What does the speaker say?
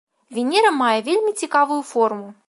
Венера мае вельмі цікавую форму.